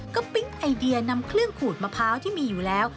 ก็ปิ๊งไอเดียนำเครื่องขูดมะพร้าวที่มีอยู่แล้ว